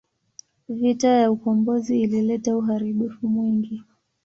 Vita ya ukombozi ilileta uharibifu mwingi.